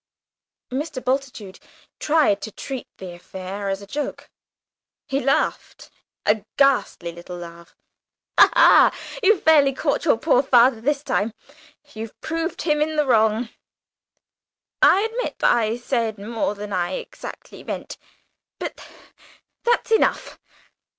Mr. Bultitude tried to treat the affair as a joke. He laughed a ghastly little laugh. "Ha! ha! you've fairly caught your poor father this time; you've proved him in the wrong. I admit I said more than I exactly meant. But that's enough.